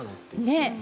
ねえ。